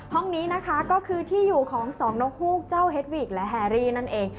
ห้องนี้นะคะก็คือที่อยู่ของสองนกฮูกเจ้าเฮ็ดวีกและแฮรี่นั่นเอง